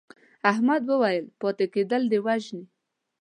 احمد وویل پاتې کېدل دې وژني.